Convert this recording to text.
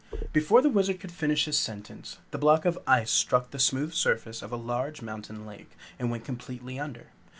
Before the Wizard could finish his sentence, the block of ice struck the smooth surface of a large, mountain lake, and went completely under.